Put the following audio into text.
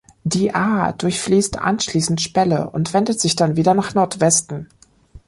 Die Aa durchfließt anschließend Spelle und wendet sich dann wieder nach Nordwesten.